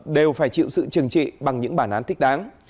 đều phải chịu sự trừng trị bằng những bản án thích đáng